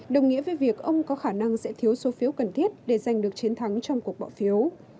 đồng nghĩa với việc ông có khả năng sẽ thiếu số phiếu cần thiết để giành được chiến thắng trong cuộc bỏ phiếu